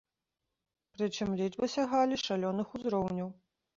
Прычым, лічбы сягалі шалёных узроўняў.